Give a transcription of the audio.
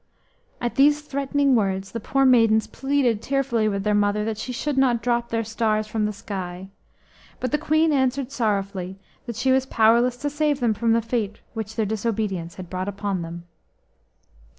At these threatening words the poor maidens pleaded tearfully with their mother that she should not drop their stars from the sky; 1 but the Queen answered sorrowfully that she was powerless to save them from the fate which their disobedience had brought upon them.